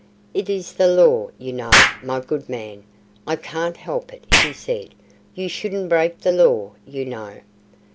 "It is the Law, you know, my good man. I can't help it," he said. "You shouldn't break the Law, you know."